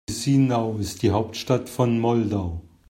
Chișinău ist die Hauptstadt von Moldau.